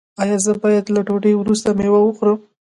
ایا زه باید له ډوډۍ وروسته میوه وخورم؟